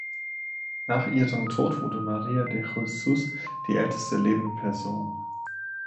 Nach ihrem Tod wurde Maria de Jesus die älteste lebende Person.